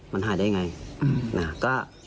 มันหายได้ยังไงนะ